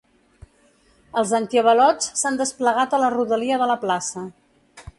Els antiavalots s’han desplegat a la rodalia de la plaça.